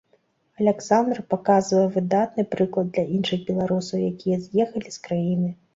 Аляксандр паказвае выдатны прыклад для іншых беларусаў, якія з'ехалі з краіны.